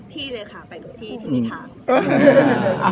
ที่เลยค่ะไปกับที่นี่ค่ะ